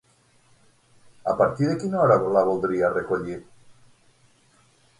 A partir de quina hora la voldria recollir?